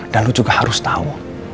dan lo juga harus tau